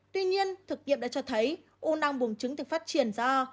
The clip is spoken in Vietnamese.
tuy nhiên thực nghiệp đã cho thấy u năng buồng trứng thực phát triển do